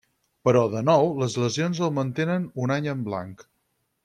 Però, de nou les lesions el mantenen un any en blanc.